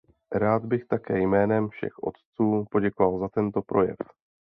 Rád bych také jménem všech otců poděkoval za tento projev.